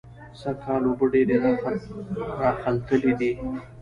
سږکال اوبه ډېرې راخلتلې دي.